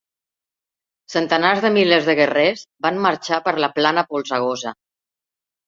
Centenars de milers de guerrers van marxar per la plana polsegosa.